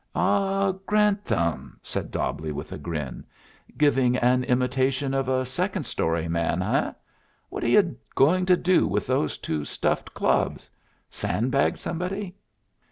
"Ah, Grantham," said Dobbleigh, with a grin. "Giving an imitation of a second story man, eh? What are you going to do with those two stuffed clubs? Sandbag somebody?"